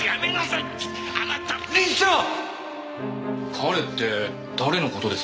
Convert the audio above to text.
彼って誰の事ですか？